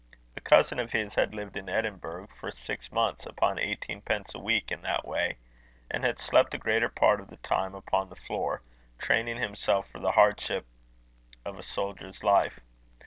A cousin of his had lived in Edinburgh for six months upon eighteen pence a week in that way, and had slept the greater part of the time upon the floor, training himself for the hardships of a soldier's life.